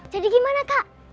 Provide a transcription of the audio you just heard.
jadi gimana kak